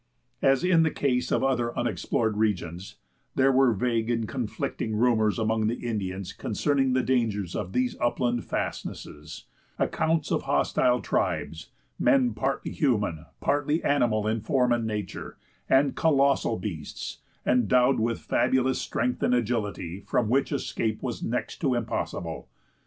As in the case of other unexplored regions, there were vague and conflicting rumors among the Indians concerning the dangers of these upland fastnesses, accounts of hostile tribes, men partly human, partly animal in form and nature, and colossal beasts, endowed with fabulous strength and agility, from which escape was next to impossible.